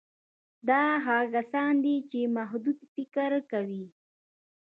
دا هغه کسان دي چې محدود فکر کوي